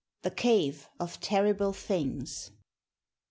THE CAVE OF TERRIBLE THINGS.